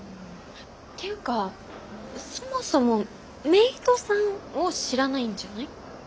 ていうかそもそもメイドさんを知らないんじゃない？